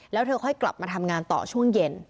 แล้วเธอค่อยกลับมาทำงานต่อช่วงเย็น